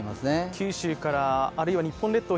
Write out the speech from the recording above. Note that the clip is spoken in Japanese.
九州からあるいは日本列島